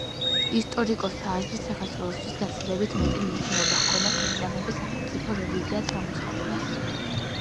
ისტორიკოსთა აზრით საქართველოსთვის გაცილებით მეტი მნიშვნელობა ჰქონდა ქრისტიანობის სახელმწიფო რელიგიად გამოცხადებას.